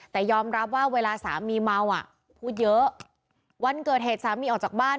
แต่ยอมรับว่าเวลาสามีเมาอ่ะพูดเยอะวันเกิดเหตุสามีออกจากบ้าน